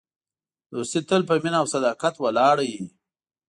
دوستي تل په مینه او صداقت ولاړه وي.